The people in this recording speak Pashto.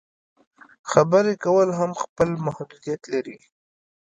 خبرې کول هم خپل محدودیت لري.